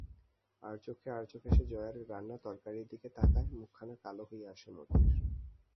আড়চেখে আড়চোখে সে জয়ার রান্না তরকারির দিকে তাকায়, মুখখানা কালো হইয়া আসে মতির।